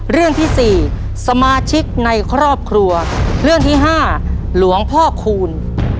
เรื่องที่สี่สมาชิกในครอบครัวเรื่องที่ห้าหลวงพ่อคูณ